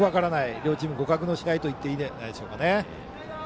両チーム互角の試合といっていいんじゃないでしょうか。